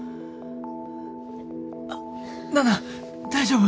あっ菜奈大丈夫？